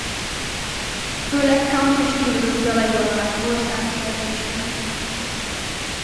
Főleg country-stílusú dalaival vált országszerte ismertté.